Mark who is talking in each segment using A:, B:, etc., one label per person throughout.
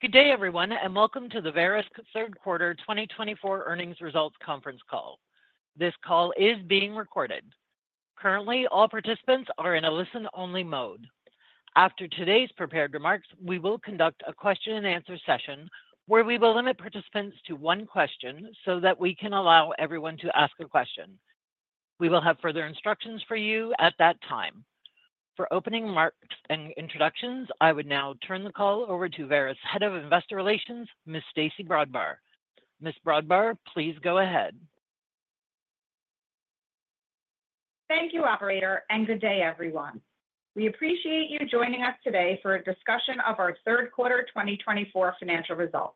A: Good day, everyone, and welcome to the Verisk Third Quarter 2024 Earnings Results Conference Call. This call is being recorded. Currently, all participants are in a listen-only mode. After today's prepared remarks, we will conduct a question-and-answer session where we will limit participants to one question so that we can allow everyone to ask a question. We will have further instructions for you at that time. For opening remarks and introductions, I would now turn the call over to Verisk Head of Investor Relations, Ms. Stacey Brodbar. Ms. Brodbar, please go ahead.
B: Thank you, Operator, and good day, everyone. We appreciate you joining us today for a discussion of our Third Quarter 2024 financial results.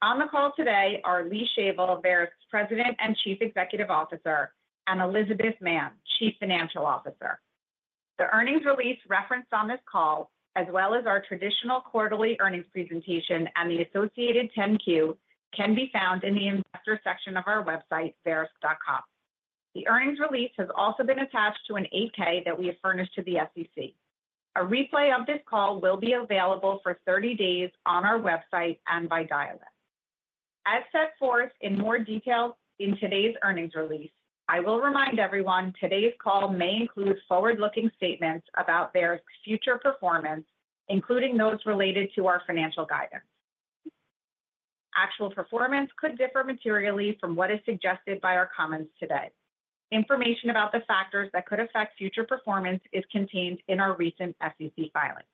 B: On the call today are Lee Shavel, Verisk's President and Chief Executive Officer, and Elizabeth Mann, Chief Financial Officer. The earnings release referenced on this call, as well as our traditional quarterly earnings presentation and the associated 10-Q, can be found in the Investor section of our website, verisk.com. The earnings release has also been attached to an 8-K that we have furnished to the SEC. A replay of this call will be available for 30 days on our website and by dial-in. As set forth in more detail in today's earnings release, I will remind everyone today's call may include forward-looking statements about Verisk's future performance, including those related to our financial guidance. Actual performance could differ materially from what is suggested by our comments today. Information about the factors that could affect future performance is contained in our recent SEC filings.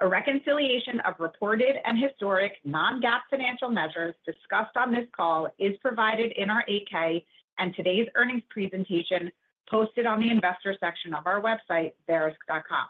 B: A reconciliation of reported and historic non-GAAP financial measures discussed on this call is provided in our 8-K and today's earnings presentation posted on the Investor section of our website, Verisk.com.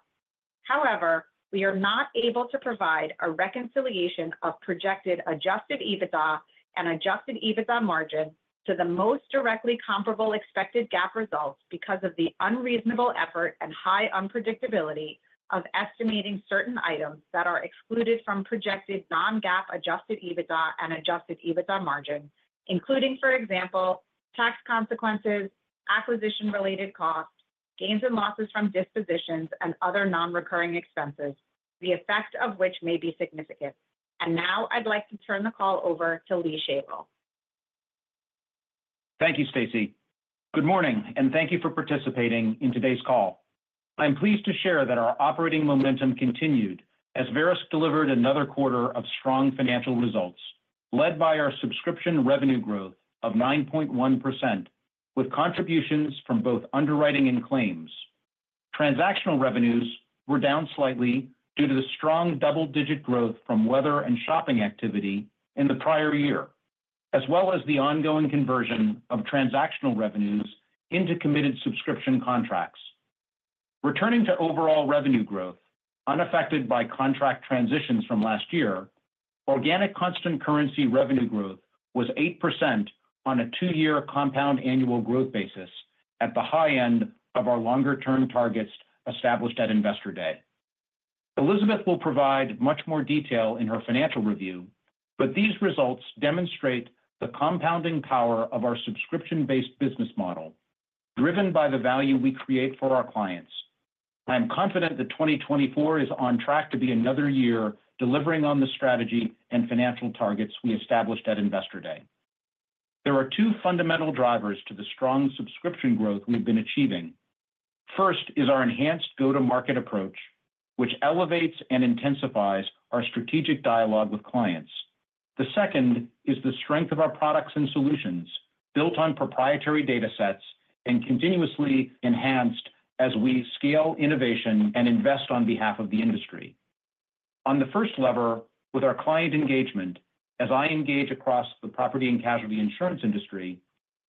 B: However, we are not able to provide a reconciliation of projected adjusted EBITDA and adjusted EBITDA margin to the most directly comparable expected GAAP results because of the unreasonable effort and high unpredictability of estimating certain items that are excluded from projected non-GAAP adjusted EBITDA and adjusted EBITDA margin, including, for example, tax consequences, acquisition-related costs, gains and losses from dispositions, and other non-recurring expenses, the effect of which may be significant, and now I'd like to turn the call over to Lee Shavel.
C: Thank you, Stacey. Good morning, and thank you for participating in today's call. I'm pleased to share that our operating momentum continued as Verisk delivered another quarter of strong financial results, led by our subscription revenue growth of 9.1%, with contributions from both underwriting and claims. Transactional revenues were down slightly due to the strong double-digit growth from weather and shopping activity in the prior year, as well as the ongoing conversion of transactional revenues into committed subscription contracts. Returning to overall revenue growth, unaffected by contract transitions from last year, organic constant currency revenue growth was 8% on a two-year compound annual growth basis at the high end of our longer-term targets established at Investor Day. Elizabeth will provide much more detail in her financial review, but these results demonstrate the compounding power of our subscription-based business model, driven by the value we create for our clients. I'm confident that 2024 is on track to be another year delivering on the strategy and financial targets we established at Investor Day. There are two fundamental drivers to the strong subscription growth we've been achieving. First is our enhanced go-to-market approach, which elevates and intensifies our strategic dialogue with clients. The second is the strength of our products and solutions, built on proprietary data sets and continuously enhanced as we scale innovation and invest on behalf of the industry. On the first lever, with our client engagement, as I engage across the property and casualty insurance industry,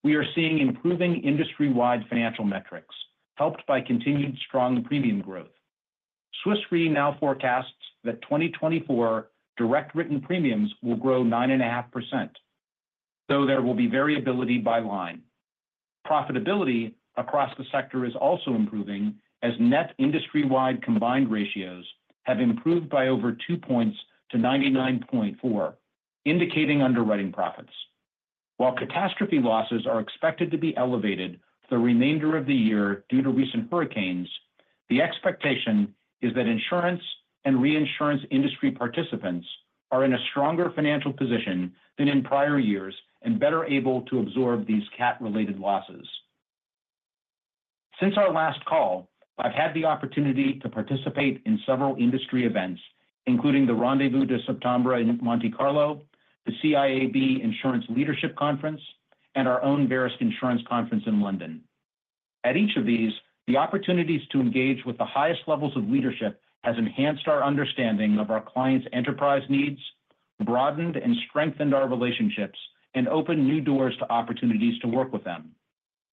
C: we are seeing improving industry-wide financial metrics, helped by continued strong premium growth. Swiss Re now forecasts that 2024 direct written premiums will grow 9.5%, though there will be variability by line. Profitability across the sector is also improving as net industry-wide combined ratios have improved by over two points to 99.4, indicating underwriting profits. While catastrophe losses are expected to be elevated for the remainder of the year due to recent hurricanes, the expectation is that insurance and reinsurance industry participants are in a stronger financial position than in prior years and better able to absorb these cat-related losses. Since our last call, I've had the opportunity to participate in several industry events, including the Rendez-Vous de Septembre in Monte Carlo, the CIAB Insurance Leadership Conference, and our own Verisk Insurance Conference in London. At each of these, the opportunities to engage with the highest levels of leadership have enhanced our understanding of our clients' enterprise needs, broadened and strengthened our relationships, and opened new doors to opportunities to work with them.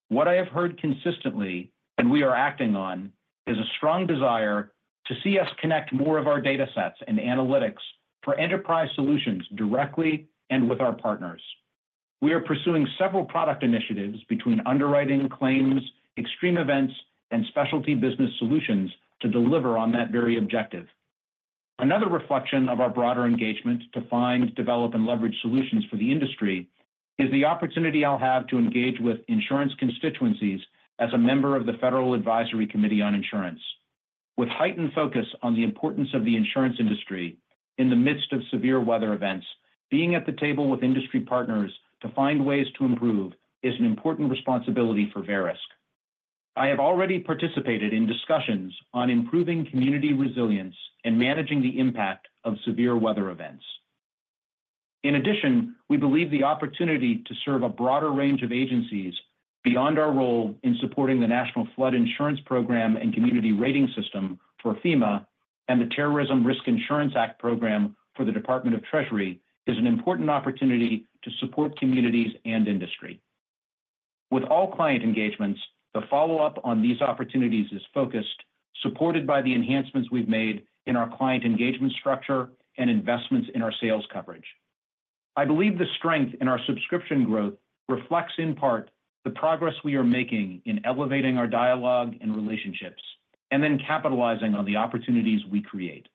C: What I have heard consistently, and we are acting on, is a strong desire to see us connect more of our data sets and analytics for enterprise solutions directly and with our partners. We are pursuing several product initiatives between underwriting, claims, extreme events, and Specialty Business Solutions to deliver on that very objective. Another reflection of our broader engagement to find, develop, and leverage solutions for the industry is the opportunity I'll have to engage with insurance constituencies as a member of the Federal Advisory Committee on Insurance. With heightened focus on the importance of the insurance industry in the midst of severe weather events, being at the table with industry partners to find ways to improve is an important responsibility for Verisk. I have already participated in discussions on improving community resilience and managing the impact of severe weather events. In addition, we believe the opportunity to serve a broader range of agencies beyond our role in supporting the National Flood Insurance Program and Community Rating System for FEMA and the Terrorism Risk Insurance Act Program for the Department of Treasury is an important opportunity to support communities and industry. With all client engagements, the follow-up on these opportunities is focused, supported by the enhancements we've made in our client engagement structure and investments in our sales coverage. I believe the strength in our subscription growth reflects in part the progress we are making in elevating our dialogue and relationships, and then capitalizing on the opportunities we create.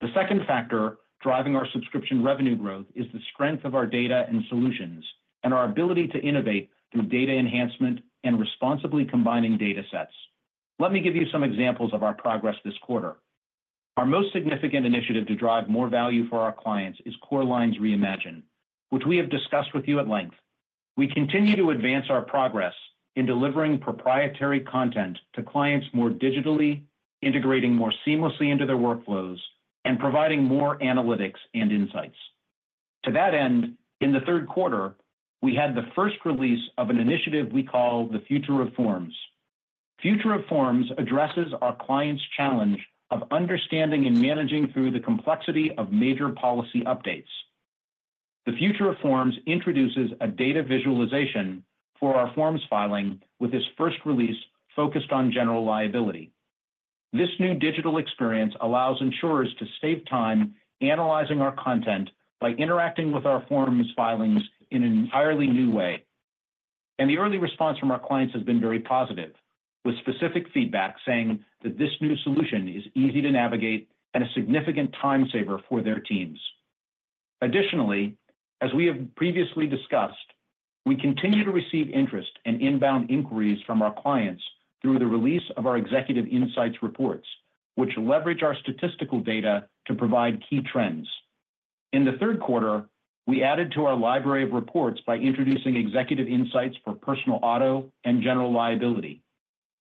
C: The second factor driving our subscription revenue growth is the strength of our data and solutions and our ability to innovate through data enhancement and responsibly combining data sets. Let me give you some examples of our progress this quarter. Our most significant initiative to drive more value for our clients is Core Lines Reimagine, which we have discussed with you at length. We continue to advance our progress in delivering proprietary content to clients more digitally, integrating more seamlessly into their workflows, and providing more analytics and insights. To that end, in the third quarter, we had the first release of an initiative we call the Future of Forms. Future of Forms addresses our clients' challenge of understanding and managing through the complexity of major policy updates. The Future of Forms introduces a data visualization for our forms filing with this first release focused on general liability. This new digital experience allows insurers to save time analyzing our content by interacting with our forms filings in an entirely new way. The early response from our clients has been very positive, with specific feedback saying that this new solution is easy to navigate and a significant time saver for their teams. Additionally, as we have previously discussed, we continue to receive interest and inbound inquiries from our clients through the release of our Executive Insights reports, which leverage our statistical data to provide key trends. In the third quarter, we added to our library of reports by introducing Executive Insights for personal auto and general liability.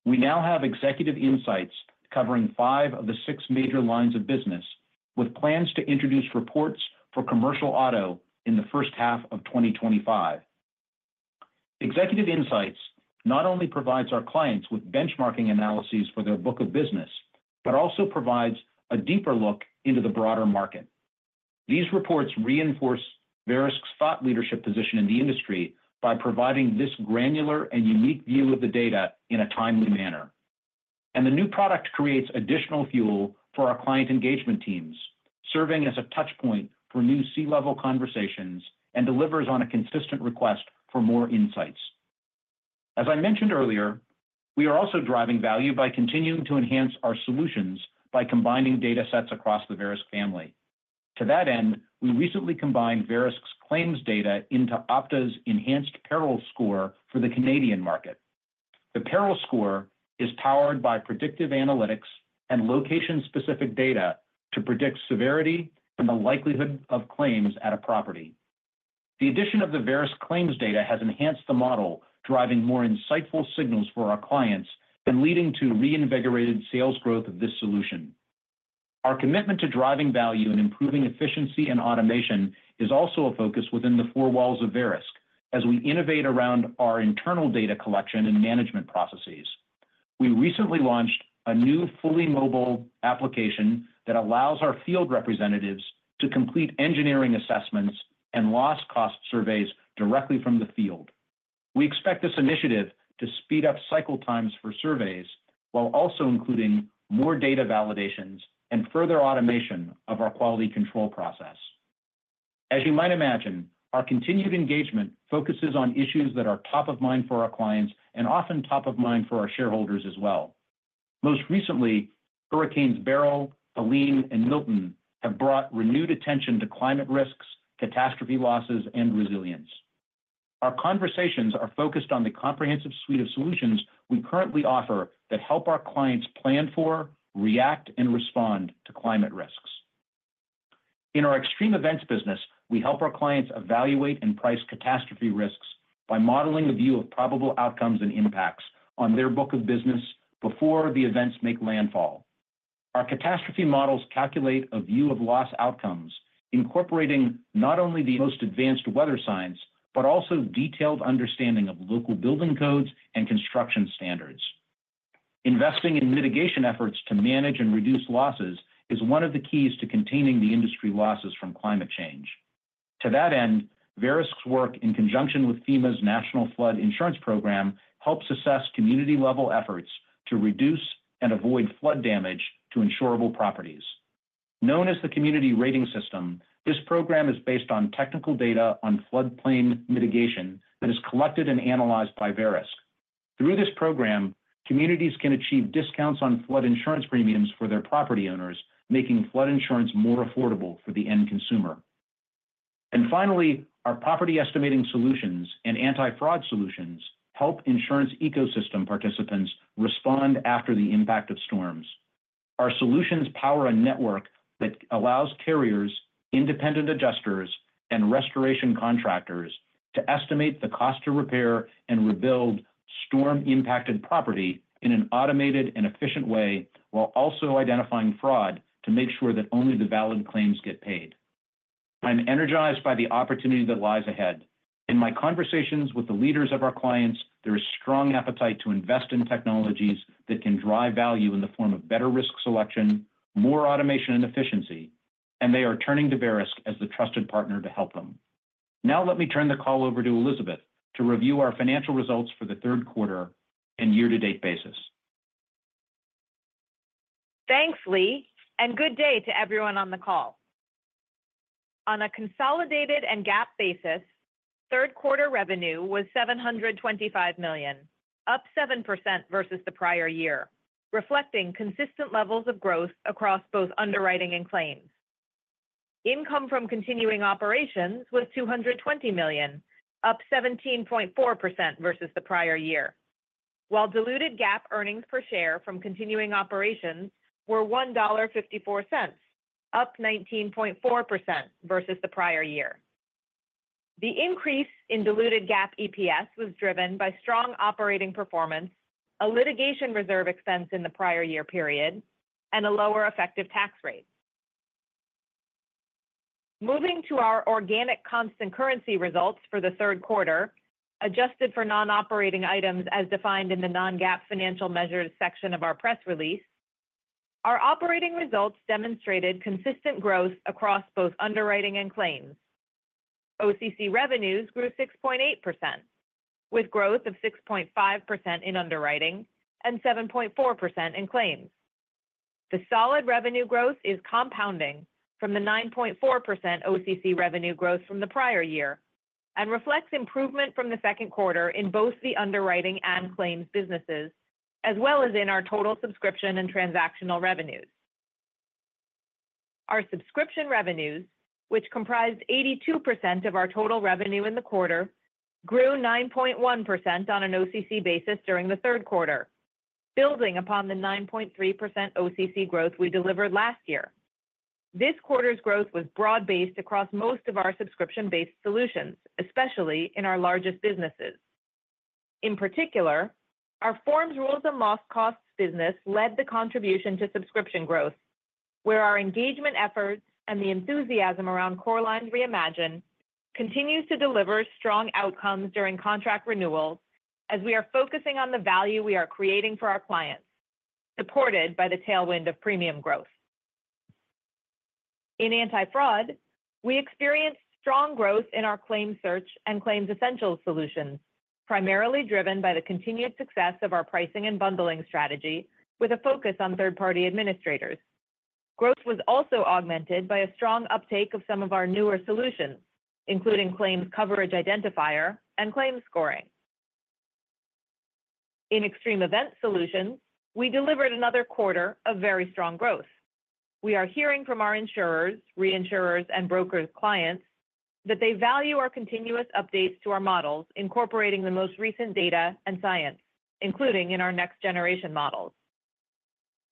C: We now have Executive Insights covering five of the six major lines of business, with plans to introduce reports for commercial auto in the first half of 2025. Executive Insights not only provide our clients with benchmarking analyses for their book of business, but also provide a deeper look into the broader market. These reports reinforce Verisk's thought leadership position in the industry by providing this granular and unique view of the data in a timely manner. And the new product creates additional fuel for our client engagement teams, serving as a touchpoint for new C-level conversations and delivers on a consistent request for more insights. As I mentioned earlier, we are also driving value by continuing to enhance our solutions by combining data sets across the Verisk family. To that end, we recently combined Verisk's claims data into Opta's enhanced Peril Score for the Canadian market. The Peril Score is powered by predictive analytics and location-specific data to predict severity and the likelihood of claims at a property. The addition of the Verisk claims data has enhanced the model, driving more insightful signals for our clients and leading to reinvigorated sales growth of this solution. Our commitment to driving value and improving efficiency and automation is also a focus within the four walls of Verisk, as we innovate around our internal data collection and management processes. We recently launched a new fully mobile application that allows our field representatives to complete engineering assessments and loss cost surveys directly from the field. We expect this initiative to speed up cycle times for surveys while also including more data validations and further automation of our quality control process. As you might imagine, our continued engagement focuses on issues that are top of mind for our clients and often top of mind for our shareholders as well. Most recently, Hurricanes Beryl, Helene, and Milton have brought renewed attention to climate risks, catastrophe losses, and resilience. Our conversations are focused on the comprehensive suite of solutions we currently offer that help our clients plan for, react, and respond to climate risks. In our extreme events business, we help our clients evaluate and price catastrophe risks by modeling the view of probable outcomes and impacts on their book of business before the events make landfall. Our catastrophe models calculate a view of loss outcomes, incorporating not only the most advanced weather science, but also detailed understanding of local building codes and construction standards. Investing in mitigation efforts to manage and reduce losses is one of the keys to containing the industry losses from climate change. To that end, Verisk's work in conjunction with FEMA's National Flood Insurance Program helps assess community-level efforts to reduce and avoid flood damage to insurable properties. Known as the Community Rating System, this program is based on technical data on floodplain mitigation that is collected and analyzed by Verisk. Through this program, communities can achieve discounts on flood insurance premiums for their property owners, making flood insurance more affordable for the end consumer. And finally, our Property Estimating Solutions and anti-fraud solutions help insurance ecosystem participants respond after the impact of storms. Our solutions power a network that allows carriers, independent adjusters, and restoration contractors to estimate the cost to repair and rebuild storm-impacted property in an automated and efficient way, while also identifying fraud to make sure that only the valid claims get paid. I'm energized by the opportunity that lies ahead. In my conversations with the leaders of our clients, there is strong appetite to invest in technologies that can drive value in the form of better risk selection, more automation, and efficiency, and they are turning to Verisk as the trusted partner to help them. Now let me turn the call over to Elizabeth to review our financial results for the third quarter and year-to-date basis.
D: Thanks, Lee, and good day to everyone on the call. On a consolidated and GAAP basis, third quarter revenue was $725 million, up 7% versus the prior year, reflecting consistent levels of growth across both underwriting and claims. Income from continuing operations was $220 million, up 17.4% versus the prior year, while diluted GAAP earnings per share from continuing operations were $1.54, up 19.4% versus the prior year. The increase in diluted GAAP EPS was driven by strong operating performance, a litigation reserve expense in the prior year period, and a lower effective tax rate. Moving to our organic constant currency results for the third quarter, adjusted for non-operating items as defined in the non-GAAP financial measures section of our press release, our operating results demonstrated consistent growth across both underwriting and claims. OCC revenues grew 6.8%, with growth of 6.5% in underwriting and 7.4% in claims. The solid revenue growth is compounding from the 9.4% OCC revenue growth from the prior year and reflects improvement from the second quarter in both the underwriting and claims businesses, as well as in our total subscription and transactional revenues. Our subscription revenues, which comprised 82% of our total revenue in the quarter, grew 9.1% on an OCC basis during the third quarter, building upon the 9.3% OCC growth we delivered last year. This quarter's growth was broad-based across most of our subscription-based solutions, especially in our largest businesses. In particular, our Forms, Rules, and Loss Costs business led the contribution to subscription growth, where our engagement efforts and the enthusiasm around Core Lines Reimagine continue to deliver strong outcomes during contract renewals as we are focusing on the value we are creating for our clients, supported by the tailwind of premium growth. In anti-fraud, we experienced strong growth in our ClaimSearch and Claims Essentials solutions, primarily driven by the continued success of our pricing and bundling strategy with a focus on third-party administrators. Growth was also augmented by a strong uptake of some of our newer solutions, including Claims Coverage Identifier and Claims Scoring. In Extreme Event Solutions, we delivered another quarter of very strong growth. We are hearing from our insurers, reinsurers, and broker clients that they value our continuous updates to our models, incorporating the most recent data and science, including in our next generation models.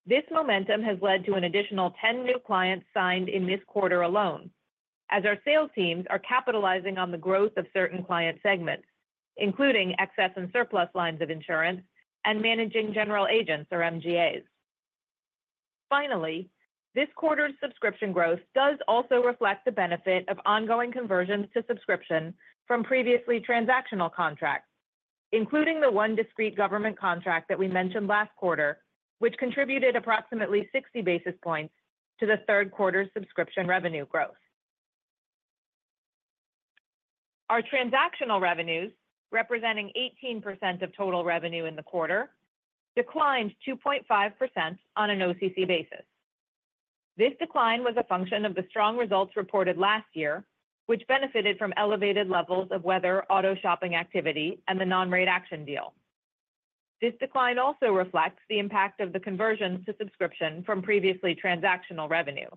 D: This momentum has led to an additional 10 new clients signed in this quarter alone, as our sales teams are capitalizing on the growth of certain client segments, including excess and surplus lines of insurance and managing general agents or MGAs. Finally, this quarter's subscription growth does also reflect the benefit of ongoing conversions to subscription from previously transactional contracts, including the one discrete government contract that we mentioned last quarter, which contributed approximately 60 basis points to the third quarter's subscription revenue growth. Our transactional revenues, representing 18% of total revenue in the quarter, declined 2.5% on an OCC basis. This decline was a function of the strong results reported last year, which benefited from elevated levels of weather auto shopping activity and the non-rate action deal. This decline also reflects the impact of the conversion to subscription from previously transactional revenue.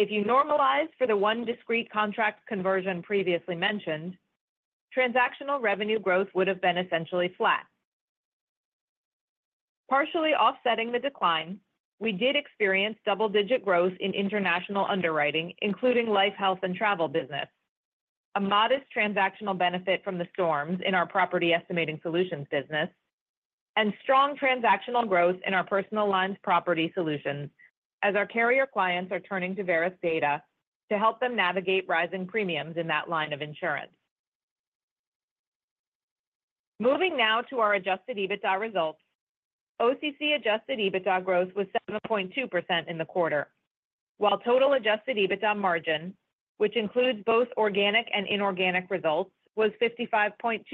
D: If you normalize for the one discrete contract conversion previously mentioned, transactional revenue growth would have been essentially flat. Partially offsetting the decline, we did experience double-digit growth in international underwriting, including Life, Health, and Travel business, a modest transactional benefit from the storms in our Property Estimating Solutions business, and strong transactional growth in our personal lines property solutions, as our carrier clients are turning to Verisk data to help them navigate rising premiums in that line of insurance. Moving now to our adjusted EBITDA results, OCC adjusted EBITDA growth was 7.2% in the quarter, while total adjusted EBITDA margin, which includes both organic and inorganic results, was 55.2%,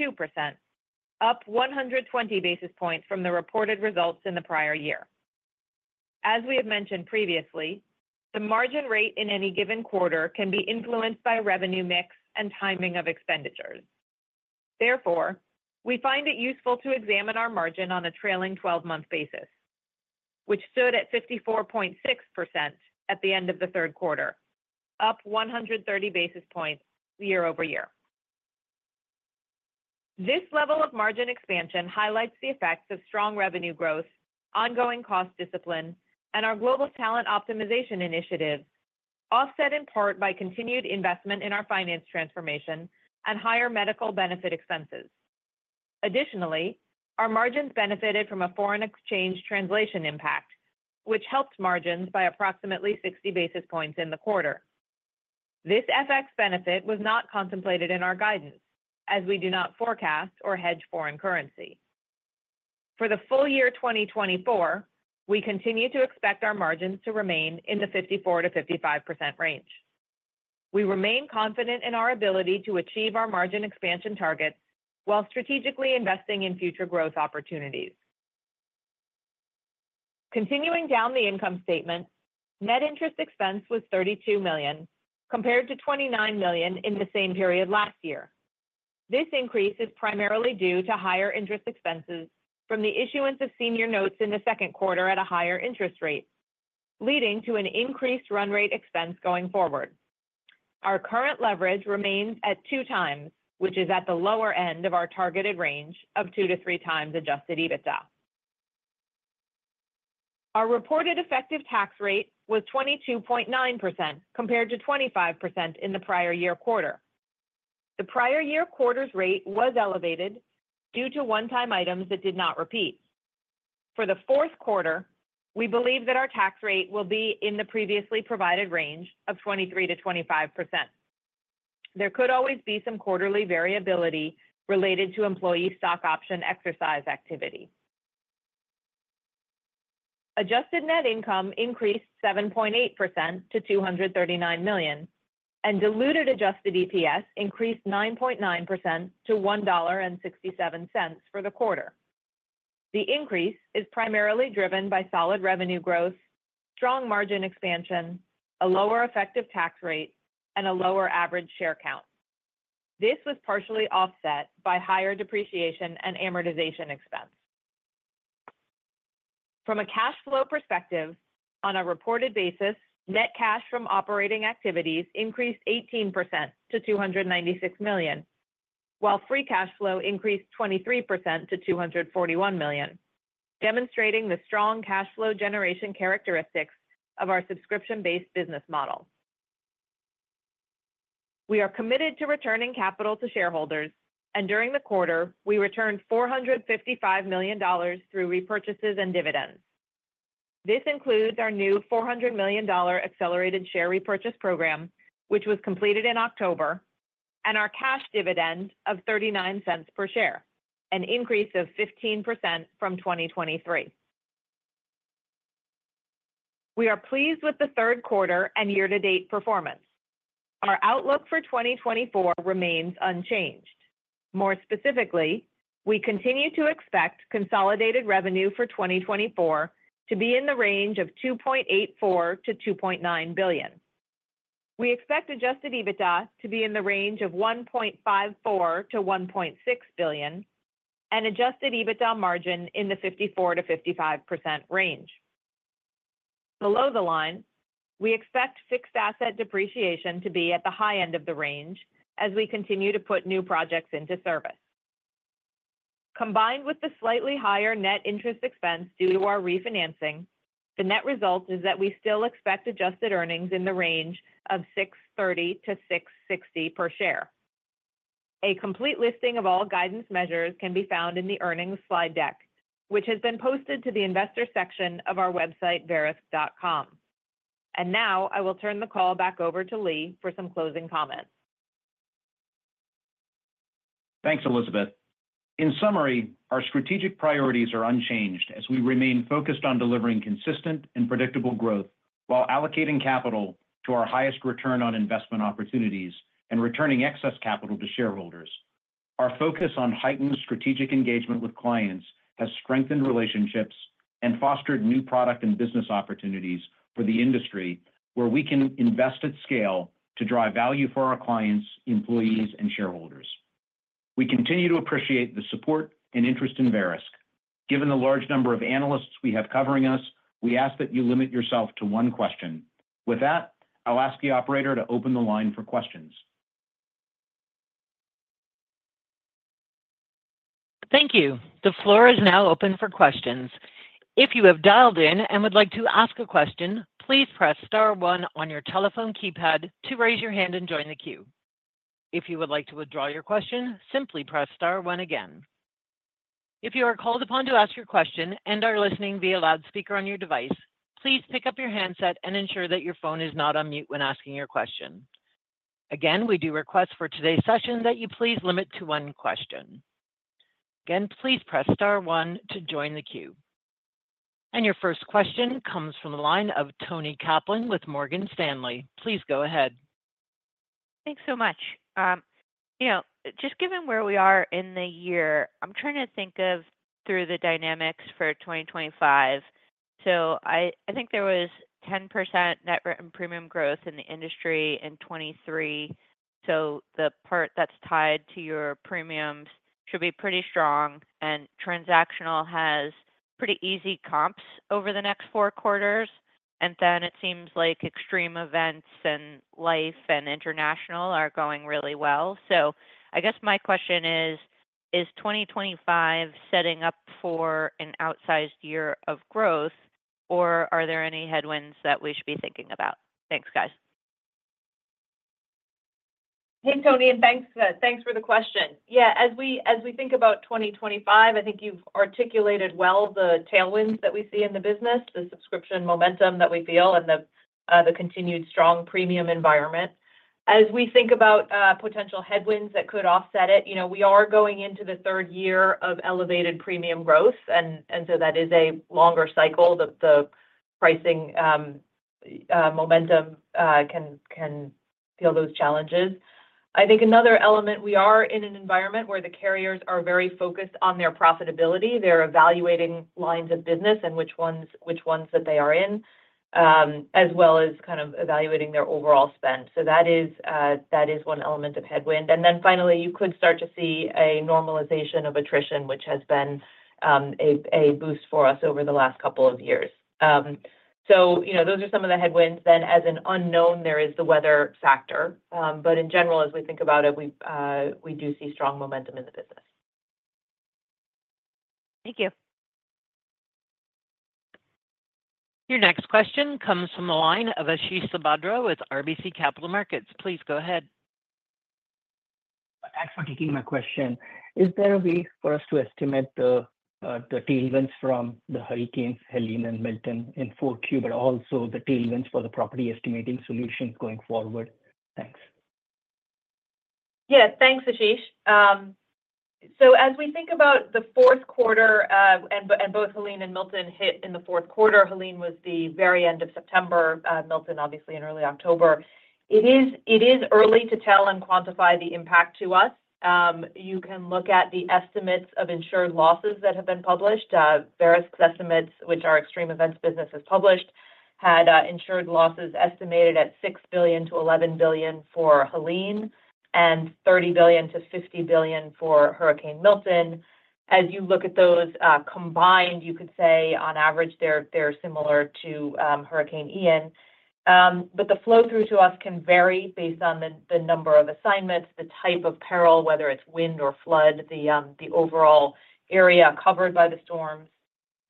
D: up 120 basis points from the reported results in the prior year. As we have mentioned previously, the margin rate in any given quarter can be influenced by revenue mix and timing of expenditures. Therefore, we find it useful to examine our margin on a trailing 12-month basis, which stood at 54.6% at the end of the third quarter, up 130 basis points year over year. This level of margin expansion highlights the effects of strong revenue growth, ongoing cost discipline, and our global talent optimization initiative, offset in part by continued investment in our finance transformation and higher medical benefit expenses. Additionally, our margins benefited from a foreign exchange translation impact, which helped margins by approximately 60 basis points in the quarter. This FX benefit was not contemplated in our guidance, as we do not forecast or hedge foreign currency. For the full year 2024, we continue to expect our margins to remain in the 54%-55% range. We remain confident in our ability to achieve our margin expansion targets while strategically investing in future growth opportunities. Continuing down the income statement, net interest expense was $32 million, compared to $29 million in the same period last year. This increase is primarily due to higher interest expenses from the issuance of senior notes in the second quarter at a higher interest rate, leading to an increased run rate expense going forward. Our current leverage remains at two times, which is at the lower end of our targeted range of two to three times Adjusted EBITDA. Our reported effective tax rate was 22.9% compared to 25% in the prior year quarter. The prior year quarter's rate was elevated due to one-time items that did not repeat. For the fourth quarter, we believe that our tax rate will be in the previously provided range of 23% to 25%. There could always be some quarterly variability related to employee stock option exercise activity. Adjusted net income increased 7.8% to $239 million, and diluted adjusted EPS increased 9.9% to $1.67 for the quarter. The increase is primarily driven by solid revenue growth, strong margin expansion, a lower effective tax rate, and a lower average share count. This was partially offset by higher depreciation and amortization expense. From a cash flow perspective, on a reported basis, net cash from operating activities increased 18% to $296 million, while free cash flow increased 23% to $241 million, demonstrating the strong cash flow generation characteristics of our subscription-based business model. We are committed to returning capital to shareholders, and during the quarter, we returned $455 million through repurchases and dividends. This includes our new $400 million accelerated share repurchase program, which was completed in October, and our cash dividend of $0.39 per share, an increase of 15% from 2023. We are pleased with the third quarter and year-to-date performance. Our outlook for 2024 remains unchanged. More specifically, we continue to expect consolidated revenue for 2024 to be in the range of $2.84 billion-$2.9 billion. We expect Adjusted EBITDA to be in the range of $1.54 billion-$1.6 billion, and Adjusted EBITDA margin in the 54%-55% range. Below the line, we expect fixed asset depreciation to be at the high end of the range as we continue to put new projects into service. Combined with the slightly higher net interest expense due to our refinancing, the net result is that we still expect adjusted earnings in the range of $6.30-$6.60 per share. A complete listing of all guidance measures can be found in the earnings slide deck, which has been posted to the investor section of our website, verisk.com. Now I will turn the call back over to Lee for some closing comments.
C: Thanks, Elizabeth. In summary, our strategic priorities are unchanged as we remain focused on delivering consistent and predictable growth while allocating capital to our highest return on investment opportunities and returning excess capital to shareholders. Our focus on heightened strategic engagement with clients has strengthened relationships and fostered new product and business opportunities for the industry where we can invest at scale to drive value for our clients, employees, and shareholders. We continue to appreciate the support and interest in Verisk. Given the large number of analysts we have covering us, we ask that you limit yourself to one question. With that, I'll ask the operator to open the line for questions.
A: Thank you. The floor is now open for questions. If you have dialed in and would like to ask a question, please press star 1 on your telephone keypad to raise your hand and join the queue. If you would like to withdraw your question, simply press star 1 again. If you are called upon to ask your question and are listening via loudspeaker on your device, please pick up your handset and ensure that your phone is not on mute when asking your question. Again, we do request for today's session that you please limit to one question. Again, please press star 1 to join the queue. And your first question comes from the line of Toni Kaplan with Morgan Stanley. Please go ahead.
E: Thanks so much. You know, just given where we are in the year, I'm trying to think through the dynamics for 2025. So I think there was 10% net premium growth in the industry in 2023. So the part that's tied to your premiums should be pretty strong, and transactional has pretty easy comps over the next four quarters. And then it seems like extreme events and life and international are going really well. So I guess my question is, is 2025 setting up for an outsized year of growth, or are there any headwinds that we should be thinking about? Thanks, guys.
D: Hey, Toni, and thanks for the question. Yeah, as we think about 2025, I think you've articulated well the tailwinds that we see in the business, the subscription momentum that we feel, and the continued strong premium environment. As we think about potential headwinds that could offset it, you know, we are going into the third year of elevated premium growth, and so that is a longer cycle. The pricing momentum can feel those challenges. I think another element, we are in an environment where the carriers are very focused on their profitability. They're evaluating lines of business and which ones that they are in, as well as kind of evaluating their overall spend. So that is one element of headwind. And then finally, you could start to see a normalization of attrition, which has been a boost for us over the last couple of years. So those are some of the headwinds. Then, as an unknown, there is the weather factor. But in general, as we think about it, we do see strong momentum in the business.
E: Thank you.
A: Your next question comes from the line of Ashish Sabadra with RBC Capital Markets. Please go ahead.
F: Thanks for taking my question. Is there a way for us to estimate the tailwinds from the hurricanes Helene and Milton in fourth quarter, but also the tailwinds for the Property Estimating Solutions going forward? Thanks.
D: Yes, thanks, Ashish. As we think about the fourth quarter, both Helene and Milton hit in the fourth quarter. Helene was the very end of September. Milton obviously was in early October. It is early to tell and quantify the impact to us. You can look at the estimates of insured losses that have been published. Verisk's estimates, which our Extreme Event Solutions business published, had insured losses estimated at $6 billion-$11 billion for Helene and $30 billion-$50 billion for Hurricane Milton. As you look at those combined, you could say on average they're similar to Hurricane Ian. But the flow through to us can vary based on the number of assignments, the type of peril, whether it's wind or flood, the overall area covered by the storms.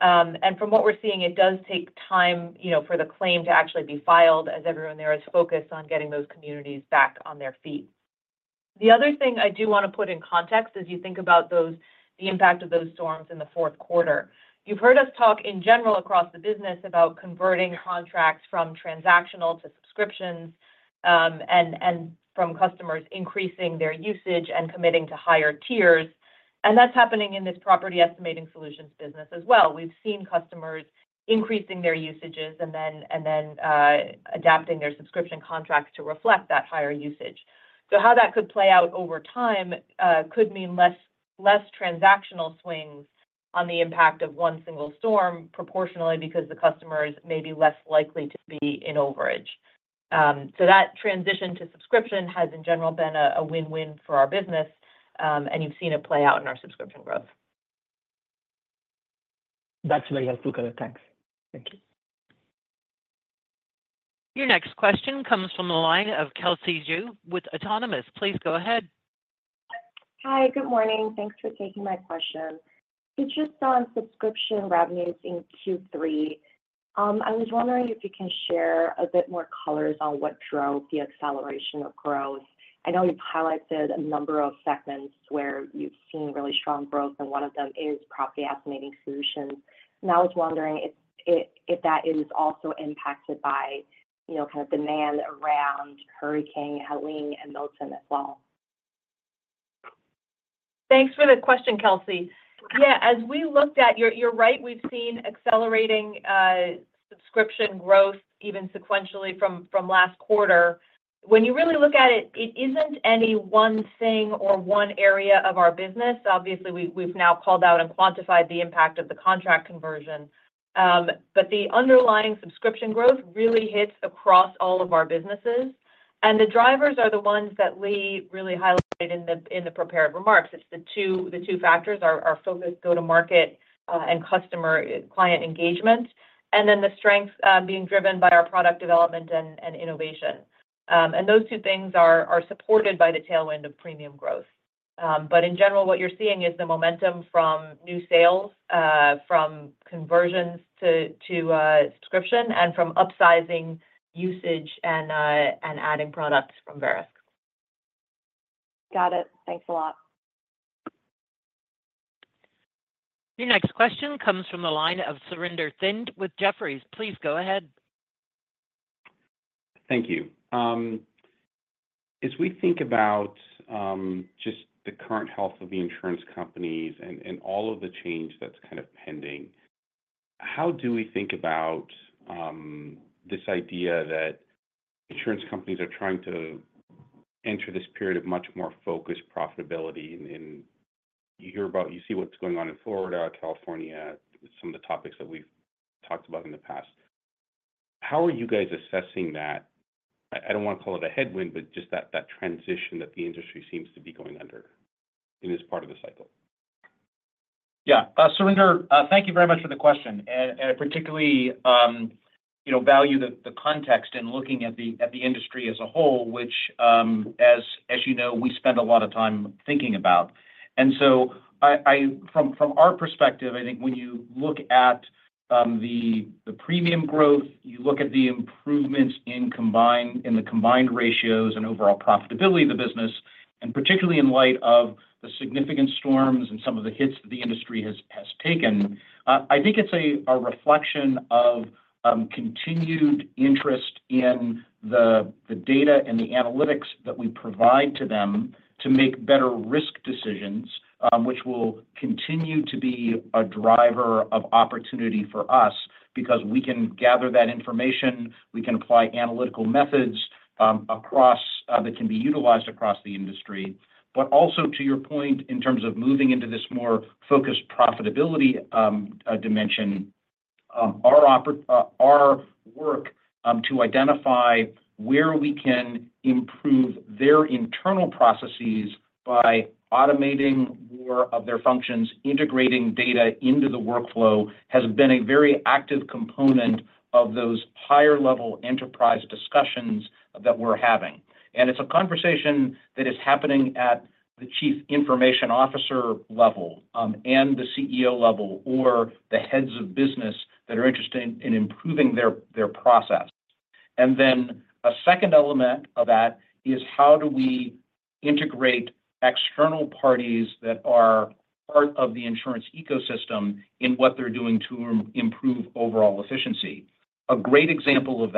D: And from what we're seeing, it does take time for the claim to actually be filed as everyone there is focused on getting those communities back on their feet. The other thing I do want to put in context, as you think about the impact of those storms in the fourth quarter. You've heard us talk in general across the business about converting contracts from transactional to subscriptions and from customers increasing their usage and committing to higher tiers. And that's happening in this Property Estimating Solutions business as well. We've seen customers increasing their usages and then adapting their subscription contracts to reflect that higher usage. So how that could play out over time could mean less transactional swings on the impact of one single storm proportionally because the customers may be less likely to be in overage. So that transition to subscription has in general been a win-win for our business, and you've seen it play out in our subscription growth.
F: That's very helpful, Kevin. Thanks. Thank you.
A: Your next question comes from the line of Kelsey Zhu with Autonomous. Please go ahead.
G: Hi, good morning. Thanks for taking my question. It's just on subscription revenues in Q3. I was wondering if you can share a bit more colors on what drove the acceleration of growth. I know you've highlighted a number of segments where you've seen really strong growth, and one of them is Property Estimating Solutions. And I was wondering if that is also impacted by kind of demand around Hurricane Helene and Milton as well.
D: Thanks for the question, Kelsey. Yeah, as we looked at, you're right, we've seen accelerating subscription growth even sequentially from last quarter. When you really look at it, it isn't any one thing or one area of our business. Obviously, we've now called out and quantified the impact of the contract conversion. But the underlying subscription growth really hits across all of our businesses. And the drivers are the ones that Lee really highlighted in the prepared remarks. It's the two factors: our focus, go-to-market, and customer-client engagement. And then the strength being driven by our product development and innovation. And those two things are supported by the tailwind of premium growth. But in general, what you're seeing is the momentum from new sales, from conversions to subscription, and from upsizing usage and adding products from Verisk.
G: Got it. Thanks a lot.
A: Your next question comes from the line of Surinder Thind with Jefferies. Please go ahead.
H: Thank you. As we think about just the current health of the insurance companies and all of the change that's kind of pending, how do we think about this idea that insurance companies are trying to enter this period of much more focused profitability? And you hear about, you see what's going on in Florida, California, some of the topics that we've talked about in the past. How are you guys assessing that? I don't want to call it a headwind, but just that transition that the industry seems to be going under in this part of the cycle.
C: Yeah. Surinder, thank you very much for the question. And I particularly value the context in looking at the industry as a whole, which, as you know, we spend a lot of time thinking about. And so from our perspective, I think when you look at the premium growth, you look at the improvements in the combined ratios and overall profitability of the business, and particularly in light of the significant storms and some of the hits that the industry has taken, I think it's a reflection of continued interest in the data and the analytics that we provide to them to make better risk decisions, which will continue to be a driver of opportunity for us because we can gather that information. We can apply analytical methods that can be utilized across the industry. But also, to your point, in terms of moving into this more focused profitability dimension, our work to identify where we can improve their internal processes by automating more of their functions, integrating data into the workflow, has been a very active component of those higher-level enterprise discussions that we're having. And it's a conversation that is happening at the chief information officer level and the CEO level or the heads of business that are interested in improving their process. And then a second element of that is how do we integrate external parties that are part of the insurance ecosystem in what they're doing to improve overall efficiency. A great example of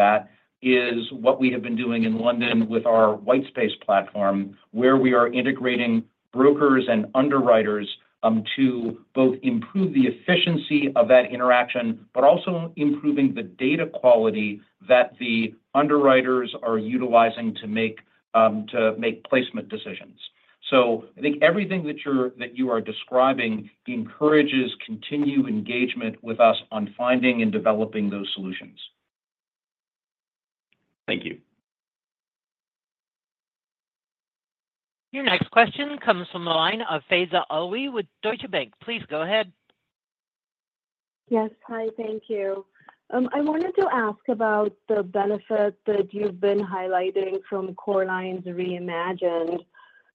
C: that is what we have been doing in London with our Whitespace platform, where we are integrating brokers and underwriters to both improve the efficiency of that interaction, but also improving the data quality that the underwriters are utilizing to make placement decisions, so I think everything that you are describing encourages continued engagement with us on finding and developing those solutions.
H: Thank you.
A: Your next question comes from the line of Faiza Alwy with Deutsche Bank. Please go ahead.
I: Yes. Hi, thank you. I wanted to ask about the benefit that you've been highlighting from Core Lines Reimagine.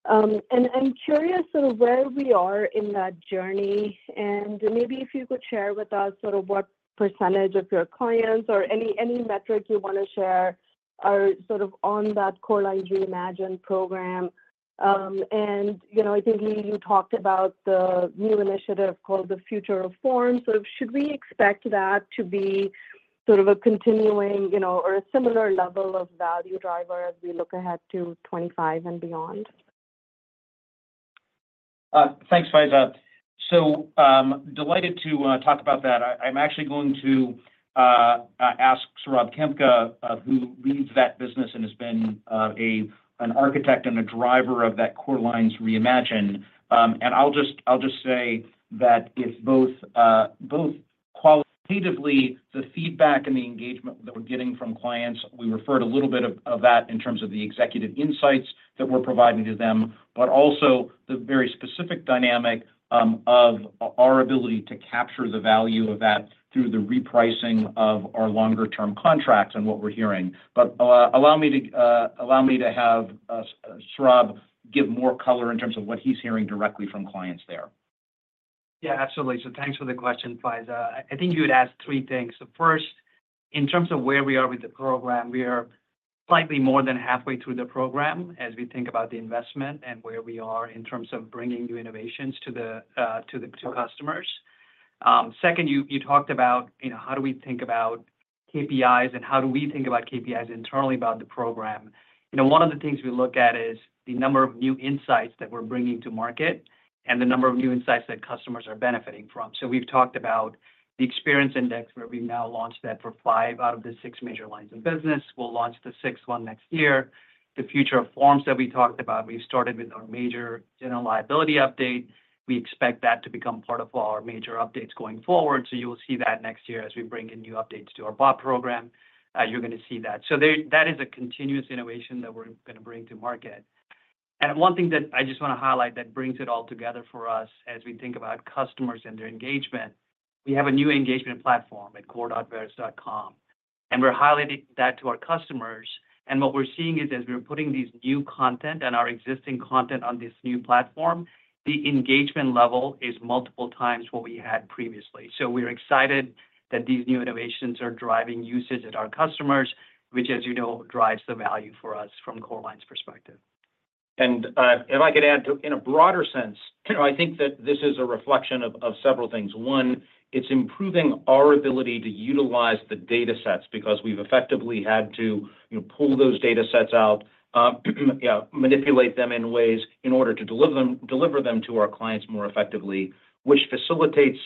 I: And I'm curious sort of where we are in that journey. And maybe if you could share with us sort of what percentage of your clients or any metric you want to share are sort of on that Core Lines Reimagine program. And I think you talked about the new initiative called the Future of Forms. So should we expect that to be sort of a continuing or a similar level of value driver as we look ahead to 2025 and beyond?
C: Thanks, Faiza. So delighted to talk about that. I'm actually going to ask Saurabh Khemka, who leads that business and has been an architect and a driver of that Core Lines Reimagine. And I'll just say that it's both qualitatively the feedback and the engagement that we're getting from clients. We referred a little bit of that in terms of the Executive Insights that we're providing to them, but also the very specific dynamic of our ability to capture the value of that through the repricing of our longer-term contracts and what we're hearing. But allow me to have Saurabh give more color in terms of what he's hearing directly from clients there. Yeah, absolutely. So thanks for the question, Faiza. I think you had asked three things. So first, in terms of where we are with the program, we are slightly more than halfway through the program as we think about the investment and where we are in terms of bringing new innovations to customers. Second, you talked about how do we think about KPIs and how do we think about KPIs internally about the program. One of the things we look at is the number of new insights that we're bringing to market and the number of new insights that customers are benefiting from. So we've talked about the Experience Index where we've now launched that for five out of the six major lines of business. We'll launch the sixth one next year. The Future of Forms that we talked about, we've started with our major general liability update. We expect that to become part of our major updates going forward. So you will see that next year as we bring in new updates to our BOP program. You're going to see that. So that is a continuous innovation that we're going to bring to market. And one thing that I just want to highlight that brings it all together for us as we think about customers and their engagement, we have a new engagement platform at core.verisk.com. And we're highlighting that to our customers. And what we're seeing is as we're putting this new content and our existing content on this new platform, the engagement level is multiple times what we had previously. So we're excited that these new innovations are driving usage at our customers, which, as you know, drives the value for us from Core Lines' perspective. If I could add to, in a broader sense, I think that this is a reflection of several things. One, it's improving our ability to utilize the datasets because we've effectively had to pull those datasets out, manipulate them in ways in order to deliver them to our clients more effectively, which facilitates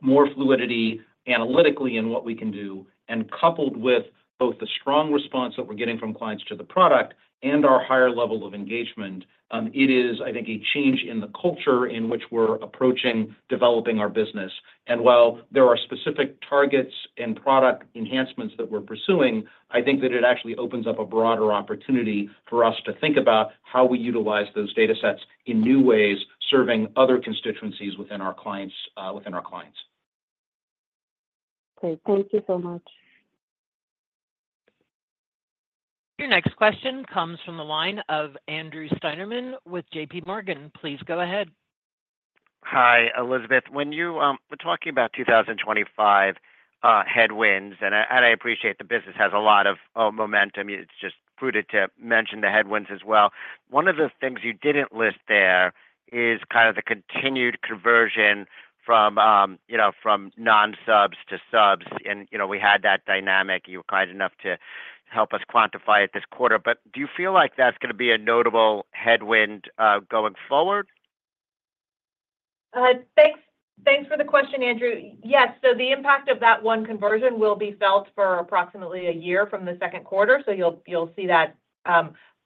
C: more fluidity analytically in what we can do. Coupled with both the strong response that we're getting from clients to the product and our higher level of engagement, it is, I think, a change in the culture in which we're approaching developing our business. While there are specific targets and product enhancements that we're pursuing, I think that it actually opens up a broader opportunity for us to think about how we utilize those datasets in new ways, serving other constituencies within our clients.
I: Okay. Thank you so much.
A: Your next question comes from the line of Andrew Steinerman with JP Morgan. Please go ahead.
J: Hi, Elizabeth. When you were talking about 2025 headwinds, and I appreciate the business has a lot of momentum, it's just prudent to mention the headwinds as well. One of the things you didn't list there is kind of the continued conversion from non-subs to subs. And we had that dynamic. You were kind enough to help us quantify it this quarter. But do you feel like that's going to be a notable headwind going forward?
D: Thanks for the question, Andrew. Yes. So the impact of that one conversion will be felt for approximately a year from the second quarter. So you'll see that.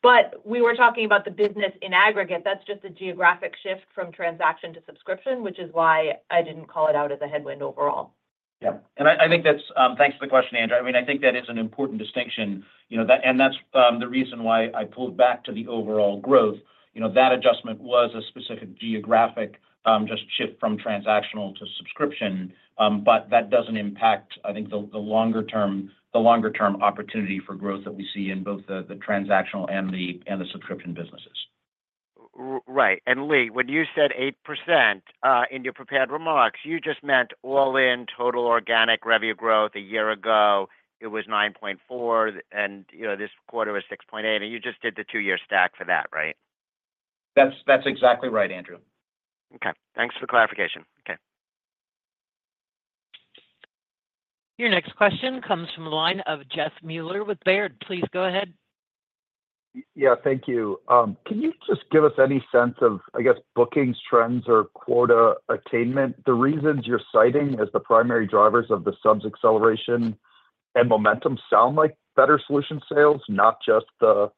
D: But we were talking about the business in aggregate. That's just a geographic shift from transaction to subscription, which is why I didn't call it out as a headwind overall.
C: Yeah. And I think that's. Thanks for the question, Andrew. I mean, I think that is an important distinction. And that's the reason why I pulled back to the overall growth. That adjustment was a specific geographic just shift from transactional to subscription. But that doesn't impact, I think, the longer-term opportunity for growth that we see in both the transactional and the subscription businesses.
J: Right. And Lee, when you said 8% in your prepared remarks, you just meant all-in total organic revenue growth. A year ago, it was 9.4%, and this quarter was 6.8%. And you just did the two-year stack for that, right?
C: That's exactly right, Andrew.
J: Okay. Thanks for the clarification. Okay.
A: Your next question comes from the line of Jeff Mueller with Baird. Please go ahead.
K: Yeah. Thank you. Can you just give us any sense of, I guess, bookings trends or quota attainment? The reasons you're citing as the primary drivers of the subs acceleration and momentum sound like better solution sales, not just the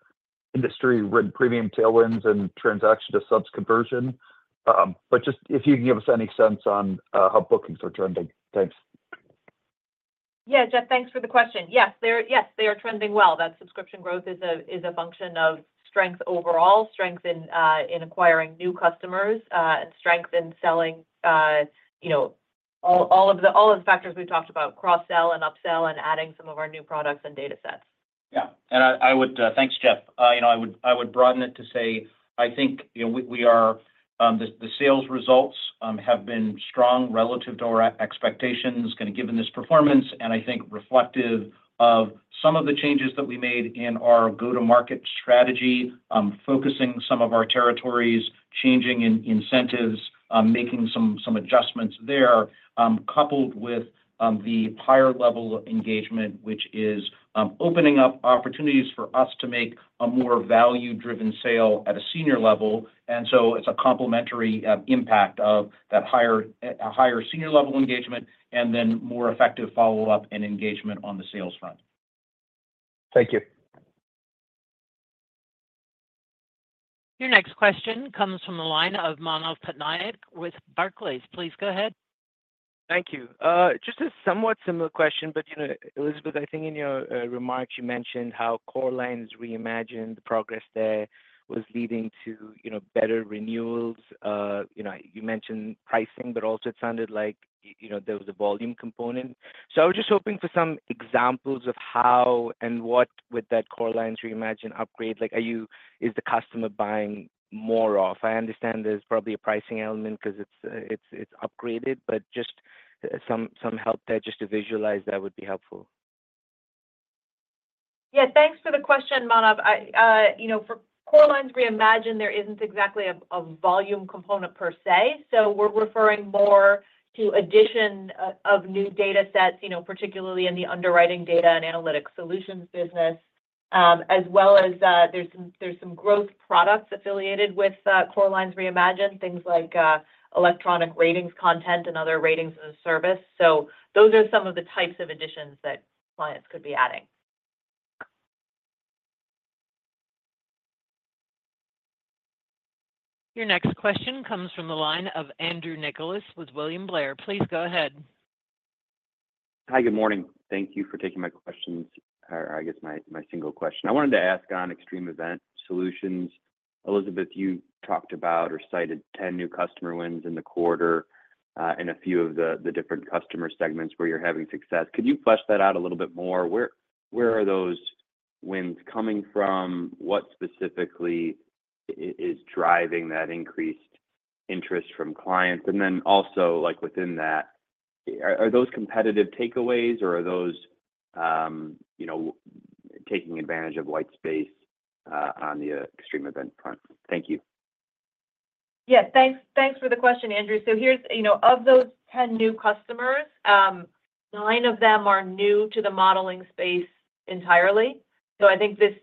K: industry-run premium tailwinds and transaction to subs conversion. But just if you can give us any sense on how bookings are trending. Thanks.
D: Yeah, Jeff, thanks for the question. Yes, they are trending well. That subscription growth is a function of strength overall, strength in acquiring new customers, and strength in selling all of the factors we've talked about: cross-sell and upsell and adding some of our new products and datasets.
C: Yeah. And thanks, Jeff. I would broaden it to say, I think our sales results have been strong relative to our expectations, kind of given this performance, and I think reflective of some of the changes that we made in our go-to-market strategy, focusing some of our territories, changing incentives, making some adjustments there, coupled with the higher level of engagement, which is opening up opportunities for us to make a more value-driven sale at a senior level. And so it's a complementary impact of that higher senior-level engagement and then more effective follow-up and engagement on the sales front.
K: Thank you.
A: Your next question comes from the line of Manav Patnaik with Barclays. Please go ahead.
L: Thank you. Just a somewhat similar question. But Elizabeth, I think in your remarks, you mentioned how Core Lines Reimagine, the progress there was leading to better renewals. You mentioned pricing, but also it sounded like there was a volume component. So I was just hoping for some examples of how and what with that Core Lines Reimagine upgrade. Is the customer buying more off? I understand there's probably a pricing element because it's upgraded, but just some help there just to visualize that would be helpful.
D: Yeah. Thanks for the question, Manav. For Core Lines Reimagine, there isn't exactly a volume component per se. So we're referring more to addition of new datasets, particularly in the underwriting data and analytic solutions business, as well as there's some growth products affiliated with Core Lines Reimagine, things like Electronic Rating Content and other ratings and service. So those are some of the types of additions that clients could be adding.
A: Your next question comes from the line of Andrew Nicholas with William Blair. Please go ahead.
M: Hi, good morning. Thank you for taking my questions, or I guess my single question. I wanted to ask on Extreme Event Solutions. Elizabeth, you talked about or cited 10 new customer wins in the quarter in a few of the different customer segments where you're having success. Could you flesh that out a little bit more? Where are those wins coming from? What specifically is driving that increased interest from clients? And then also within that, are those competitive takeaways, or are those taking advantage of Whitespace on the Extreme Event front? Thank you.
D: Yeah. Thanks for the question, Andrew. So of those 10 new customers, 9 of them are new to the modeling space entirely. So I think this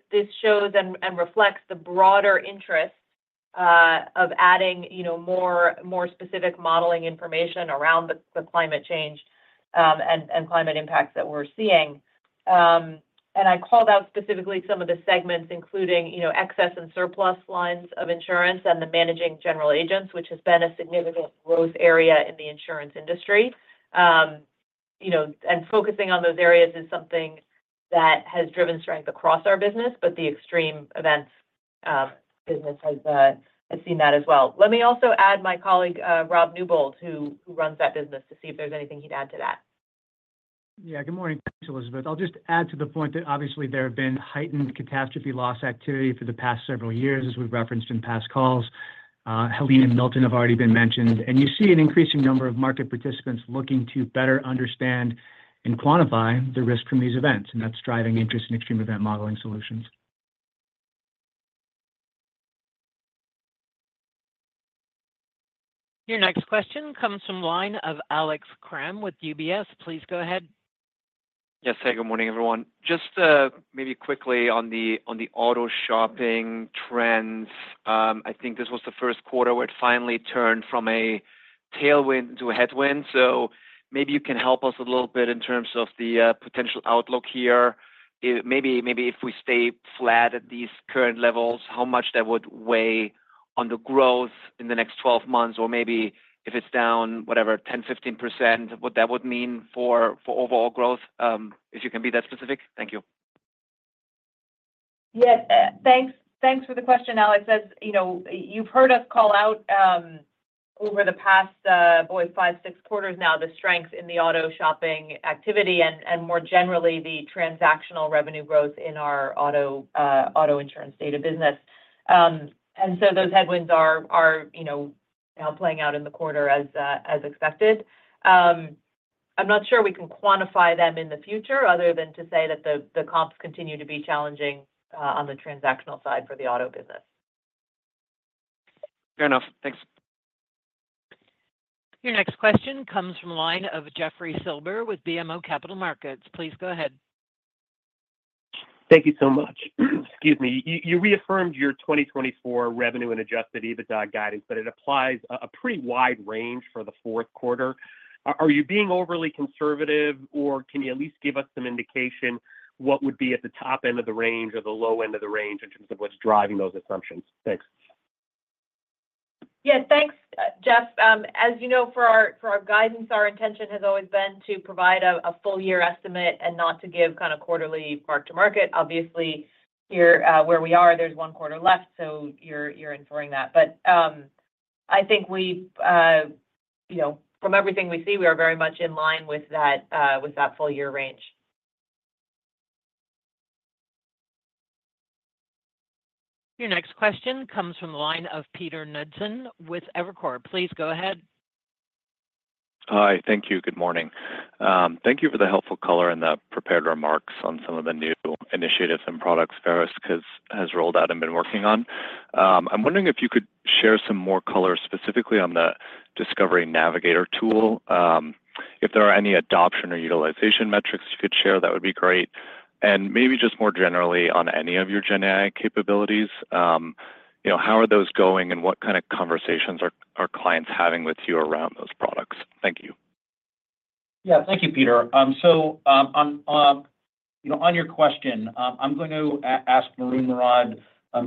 D: shows and reflects the broader interest of adding more specific modeling information around the climate change and climate impacts that we're seeing. And I called out specifically some of the segments, including excess and surplus lines of insurance and the managing general agents, which has been a significant growth area in the insurance industry. And focusing on those areas is something that has driven strength across our business, but the extreme events business has seen that as well. Let me also add my colleague, Rob Newbold, who runs that business, to see if there's anything he'd add to that.
N: Yeah. Good morning. Thanks, Elizabeth. I'll just add to the point that obviously there have been heightened catastrophe loss activity for the past several years, as we've referenced in past calls. Helene and Milton have already been mentioned, and you see an increasing number of market participants looking to better understand and quantify the risk from these events, and that's driving interest in extreme event modeling solutions.
A: Your next question comes from the line of Alex Kramm with UBS. Please go ahead.
O: Yes. Hi, good morning, everyone. Just maybe quickly on the auto shopping trends. I think this was the first quarter where it finally turned from a tailwind to a headwind. So maybe you can help us a little bit in terms of the potential outlook here. Maybe if we stay flat at these current levels, how much that would weigh on the growth in the next 12 months? Or maybe if it's down, whatever, 10%, 15%, what that would mean for overall growth, if you can be that specific. Thank you.
D: Yes. Thanks for the question, Alex. As you've heard us call out over the past, boy, five, six quarters now, the strength in the auto shopping activity and more generally the transactional revenue growth in our auto insurance data business, and so those headwinds are now playing out in the quarter as expected. I'm not sure we can quantify them in the future other than to say that the comps continue to be challenging on the transactional side for the auto business.
O: Fair enough. Thanks.
A: Your next question comes from the line of Jeffrey Silber with BMO Capital Markets. Please go ahead.
P: Thank you so much. Excuse me. You reaffirmed your 2024 revenue and Adjusted EBITDA guidance, but it applies a pretty wide range for the fourth quarter. Are you being overly conservative, or can you at least give us some indication what would be at the top end of the range or the low end of the range in terms of what's driving those assumptions? Thanks.
D: Yeah. Thanks, Jeff. As you know, for our guidance, our intention has always been to provide a full-year estimate and not to give kind of quarterly mark-to-market. Obviously, here where we are, there's one quarter left, so you're inferring that. But I think from everything we see, we are very much in line with that full-year range.
A: Your next question comes from the line of Peter Knutson with Evercore. Please go ahead.
Q: Hi. Thank you. Good morning. Thank you for the helpful color and the prepared remarks on some of the new initiatives and products Verisk has rolled out and been working on. I'm wondering if you could share some more color specifically on the Discovery Navigator tool. If there are any adoption or utilization metrics you could share, that would be great. And maybe just more generally on any of your GenAI capabilities, how are those going, and what kind of conversations are clients having with you around those products? Thank you.
C: Yeah. Thank you, Peter. So on your question, I'm going to ask Maroun Mourad,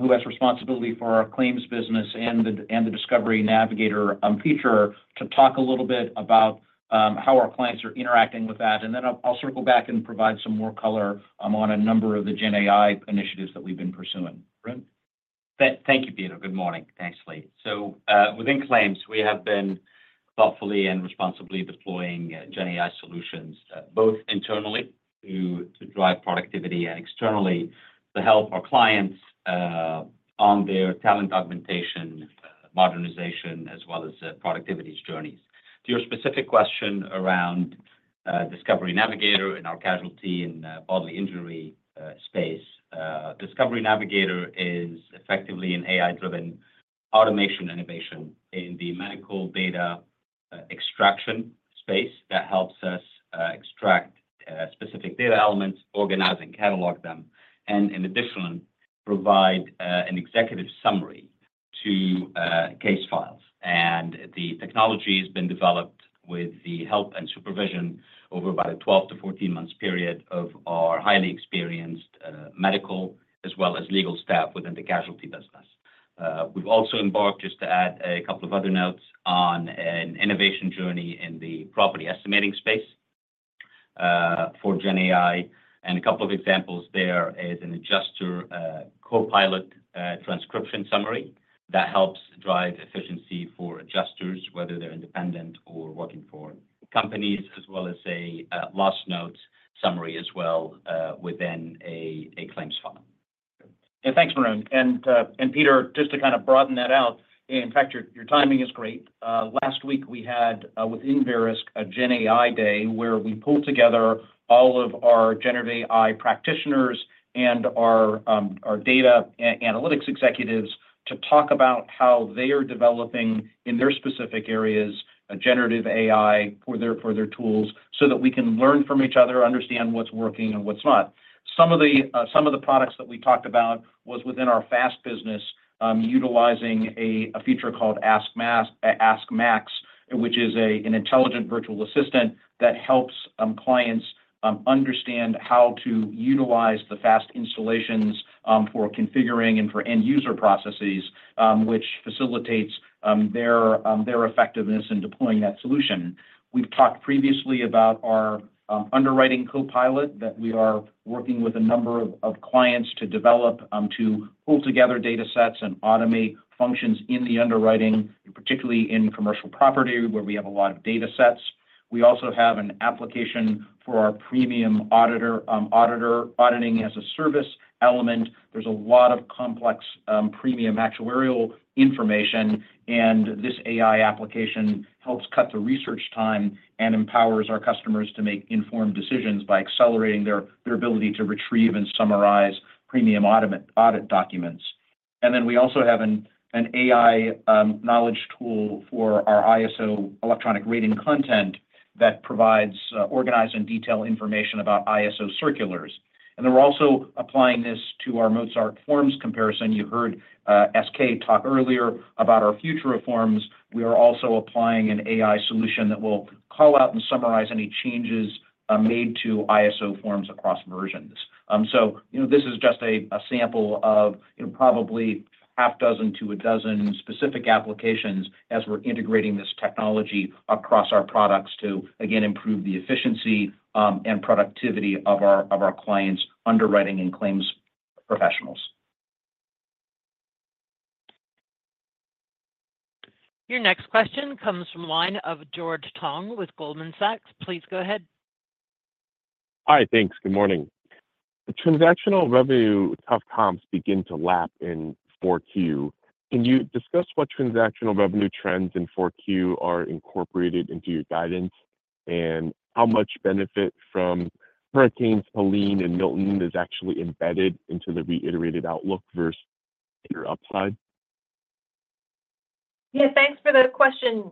C: who has responsibility for our claims business and the Discovery Navigator feature, to talk a little bit about how our clients are interacting with that. And then I'll circle back and provide some more color on a number of the GenAI initiatives that we've been pursuing.
R: Thank you, Peter. Good morning. Thanks, Lee. So within claims, we have been thoughtfully and responsibly deploying GenAI solutions both internally to drive productivity and externally to help our clients on their talent augmentation modernization as well as productivity journeys. To your specific question around Discovery Navigator and our casualty and bodily injury space, Discovery Navigator is effectively an AI-driven automation innovation in the medical data extraction space that helps us extract specific data elements, organize and catalog them, and in addition, provide an executive summary to case files. The technology has been developed with the help and supervision over about a 12- to 14-month period of our highly experienced medical as well as legal staff within the casualty business. We've also embarked, just to add a couple of other notes, on an innovation journey in the property estimating space for GenAI. A couple of examples there is an Adjuster Copilot transcription summary that helps drive efficiency for adjusters, whether they're independent or working for companies, as well as a loss notes summary as well within a claims file.
C: Thanks, Maroun. Peter, just to kind of broaden that out, in fact, your timing is great. Last week, we had within Verisk a GenAI day where we pulled together all of our generative AI practitioners and our data analytics executives to talk about how they are developing in their specific areas generative AI for their tools so that we can learn from each other, understand what's working and what's not. Some of the products that we talked about was within our FAST business utilizing a feature called AskMax, which is an intelligent virtual assistant that helps clients understand how to utilize the FAST installations for configuring and for end-user processes, which facilitates their effectiveness in deploying that solution. We've talked previously about our Underwriting Copilot that we are working with a number of clients to develop to pull together datasets and automate functions in the underwriting, particularly in commercial property where we have a lot of datasets. We also have an application for our premium auditor auditing as a service element. There's a lot of complex premium actuarial information, and this AI application helps cut the research time and empowers our customers to make informed decisions by accelerating their ability to retrieve and summarize premium audit documents. And then we also have an AI knowledge tool for our ISO Electronic Rating Content that provides organized and detailed information about ISO circulars. And then we're also applying this to our Mozart forms comparison. You heard SK talk earlier about our Future of Forms. We are also applying an AI solution that will call out and summarize any changes made to ISO forms across versions. So this is just a sample of probably half dozen to a dozen specific applications as we're integrating this technology across our products to, again, improve the efficiency and productivity of our clients' underwriting and claims professionals.
A: Your next question comes from the line of George Tong with Goldman Sachs. Please go ahead.
S: Hi. Thanks. Good morning. The transactional revenue tough comps begin to lap in 4Q. Can you discuss what transactional revenue trends in 4Q are incorporated into your guidance, and how much benefit from Hurricanes Helene and Milton is actually embedded into the reiterated outlook versus your upside?
D: Yeah. Thanks for the question,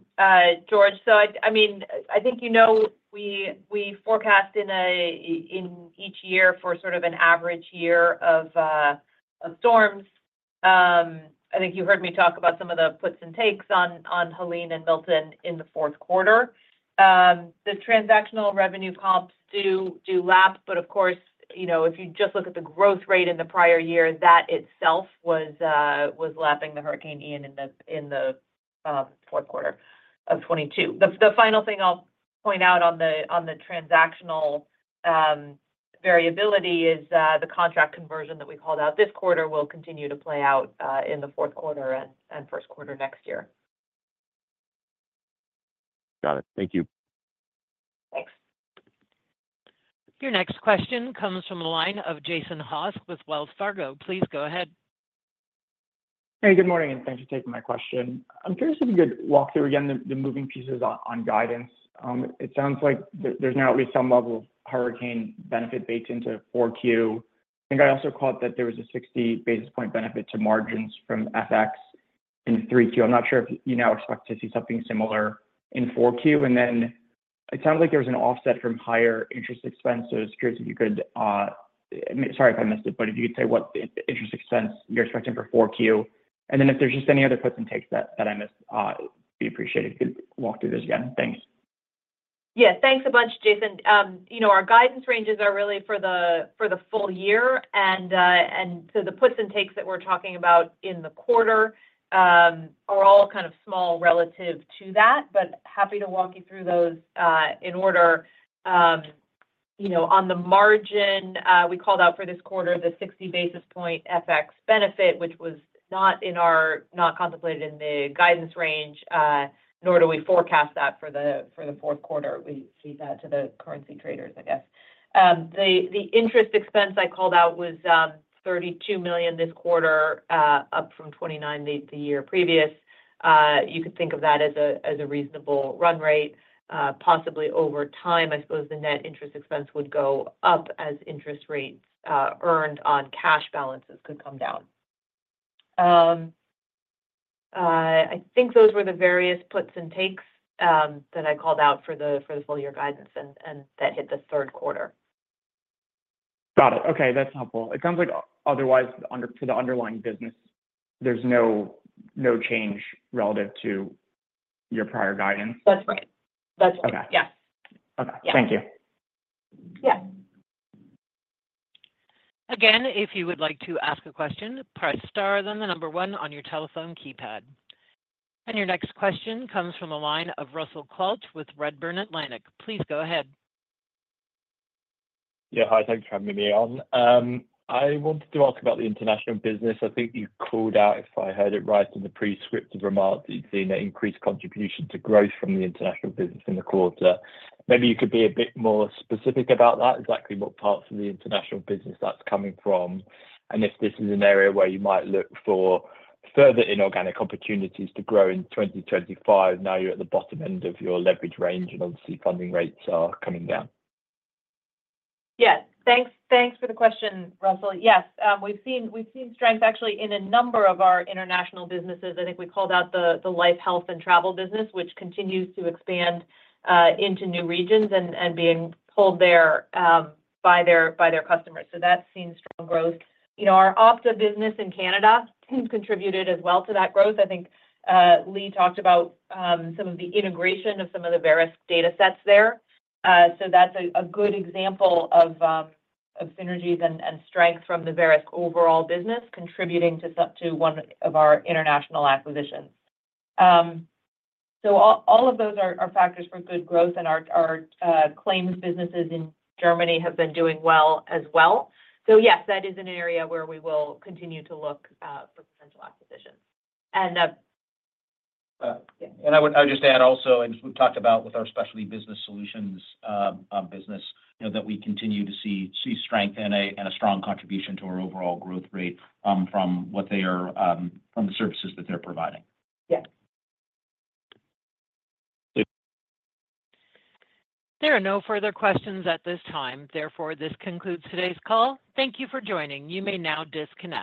D: George. So I mean, I think you know we forecast in each year for sort of an average year of storms. I think you heard me talk about some of the puts and takes on Helene and Milton in the fourth quarter. The transactional revenue comps do lap, but of course, if you just look at the growth rate in the prior year, that itself was lapping the Hurricane Ian in the fourth quarter of 2022. The final thing I'll point out on the transactional variability is the contract conversion that we called out this quarter will continue to play out in the fourth quarter and first quarter next year.
S: Got it. Thank you.
D: Thanks.
A: Your next question comes from the line of Jason Haas with Wells Fargo. Please go ahead.
T: Hey, good morning, and thanks for taking my question. I'm curious if you could walk through again the moving pieces on guidance. It sounds like there's now at least some level of hurricane benefit baked into 4Q. I think I also caught that there was a 60 basis points benefit to margins from FX in 3Q. I'm not sure if you now expect to see something similar in 4Q. And then it sounds like there was an offset from higher interest expenses. Curious if you could, sorry if I missed it, but if you could say what interest expense you're expecting for 4Q. And then if there's just any other puts and takes that I missed, it'd be appreciated if you could walk through those again. Thanks.
D: Yeah. Thanks a bunch, Jason. Our guidance ranges are really for the full year. And so the puts and takes that we're talking about in the quarter are all kind of small relative to that, but happy to walk you through those in order. On the margin, we called out for this quarter the 60 basis point FX benefit, which was not contemplated in the guidance range, nor do we forecast that for the fourth quarter. We leave that to the currency traders, I guess. The interest expense I called out was $32 million this quarter, up from $29 million the year previous. You could think of that as a reasonable run rate. Possibly over time, I suppose the net interest expense would go up as interest rates earned on cash balances could come down. I think those were the various puts and takes that I called out for the full-year guidance, and that hit the third quarter.
T: Got it. Okay. That's helpful. It sounds like otherwise to the underlying business, there's no change relative to your prior guidance.
D: That's right. That's right. Yeah.
T: Okay. Thank you.
D: Yeah.
A: Again, if you would like to ask a question, press star then the number 1 on your telephone keypad. And your next question comes from the line of Russell Quelch with Redburn Atlantic. Please go ahead.
U: Yeah. Hi, thanks for having me on. I wanted to ask about the international business. I think you called out, if I heard it right, in the pre-scripted remarks that you've seen an increased contribution to growth from the international business in the quarter. Maybe you could be a bit more specific about that, exactly what parts of the international business that's coming from, and if this is an area where you might look for further inorganic opportunities to grow in 2025. Now you're at the bottom end of your leverage range, and obviously, funding rates are coming down.
D: Yes. Thanks for the question, Russell. Yes. We've seen strength actually in a number of our international businesses. I think we called out the Life, Health, and Travel business, which continues to expand into new regions and being pulled there by their customers. So that's seen strong growth. Our Opta business in Canada contributed as well to that growth. I think Lee talked about some of the integration of some of the Verisk datasets there. So that's a good example of synergies and strength from the Verisk overall business contributing to one of our international acquisitions. So all of those are factors for good growth, and our claims businesses in Germany have been doing well as well. So yes, that is an area where we will continue to look for potential acquisitions. And.
C: And I would just add also, and we've talked about with our Specialty Business Solutions business that we continue to see strength and a strong contribution to our overall growth rate from the services that they're providing.
D: Yes.
A: There are no further questions at this time. Therefore, this concludes today's call. Thank you for joining. You may now disconnect.